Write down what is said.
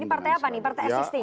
ini partai apa nih partai existing